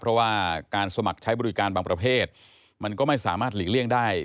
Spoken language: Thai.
เพราะว่าการสมัครใช้บริการบางประเภทมันก็ไม่สามารถหลีกเลี่ยงได้